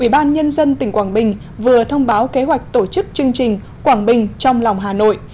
ubnd tỉnh quảng bình vừa thông báo kế hoạch tổ chức chương trình quảng bình trong lòng hà nội